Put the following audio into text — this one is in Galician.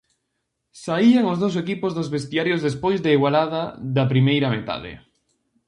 Saían os dous equipos dos vestiarios despois da igualada da primeira metade.